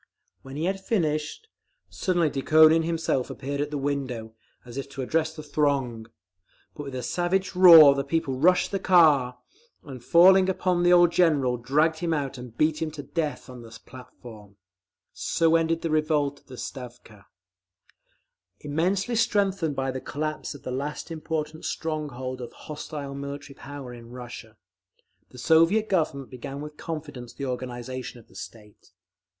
When he had finished, suddenly Dukhonin himself appeared at the window, as if to address the throng. But with a savage roar the people rushed the car, and falling upon the old General, dragged him out and beat him to death on the platform…. So ended the revolt of the Stavka…. Immensely strengthened by the collapse of the last important stronghold of hostile military power in Russia, the Soviet Government began with confidence the organisation of the state.